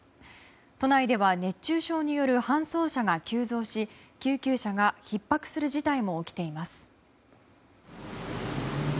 都内では熱中症による搬送者が急増し救急車がひっ迫する事態も起きています。